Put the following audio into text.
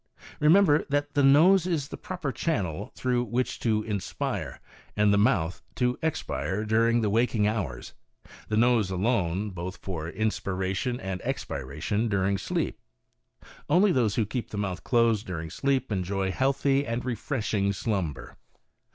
Remember, that the nose is the proper channel through which to inspire, and the mouth to expire during the waking hours; the nose alone, both for inspiration and expiration, during sleep. Only those who keep the mouth closed during sleep enjoy healthy and re freshing slumber.